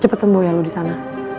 cepet sembuh ya lo disana